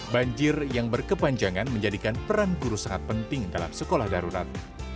banjir yang berkepanjangan menjadikan peran guru sangat penting dalam sekolah darurat